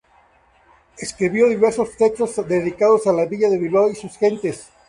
Escribió diversos textos dedicados a la villa de Bilbao y sus gentes.